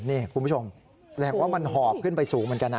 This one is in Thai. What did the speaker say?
นี่คุณผู้ชมแสดงว่ามันหอบขึ้นไปสูงเหมือนกันนะ